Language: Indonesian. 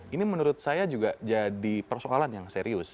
ini menurut saya juga jadi persoalan yang serius